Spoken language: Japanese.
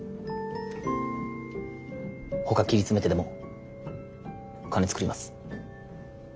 ほか切り詰めてでも金作ります。